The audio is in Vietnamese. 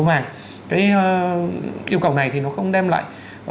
cái yêu cầu này thì nó không đem lại